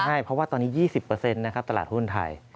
ใช่เพราะว่าตอนนี้๒๐นะครับตลาดหุ้นไทย